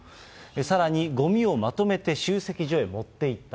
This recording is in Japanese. さらに、ごみをまとめて集積所へ持っていった。